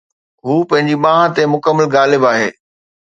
هو پنهنجي ٻانهن تي مڪمل غالب آهي